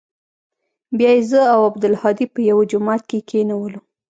بيا يې زه او عبدالهادي په يوه جماعت کښې کښېنولو.